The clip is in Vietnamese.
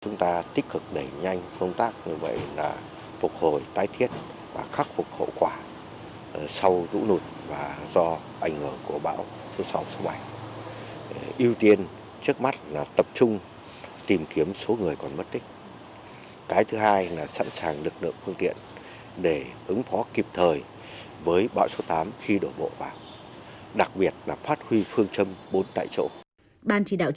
nước lũ tại khu vực miền trung có thể vào miền trung thì song song với khắc phục hậu quả lũ lụt chính quyền và người dân cần phải chủ động ứng phó bão